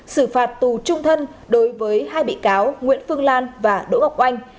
xử phạt tù trung thân đối với hai bị cáo nguyễn phương lan và đỗ ngọc oanh